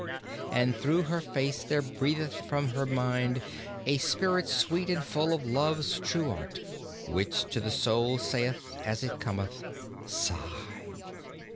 And through her face there breatheth from her mind A spirit sweet and full of Love's true art, Which to the soul saith, as it cometh, "Sigh."